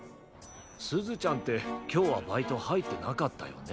すずちゃんってきょうはバイトはいってなかったよね？